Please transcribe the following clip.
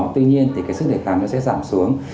tuy nhiên thì cái sức đề kháng nó sẽ giảm xuống